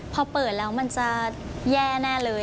พอเปิดแล้วมันจะแย่แน่เลย